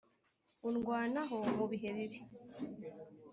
undwanaho mu bihe bibi.